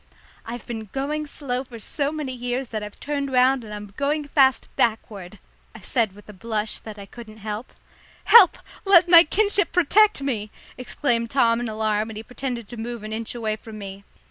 "I've been going so slow for so many years that I've turned round and I'm going fast backward," I said with a blush that I couldn't help. "Help! Let my kinship protect me!" exclaimed Tom in alarm, and he pretended to move an inch away from me.